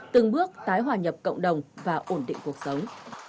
từng bước tái hòa nhập cộng đồng và ổn định cuộc sống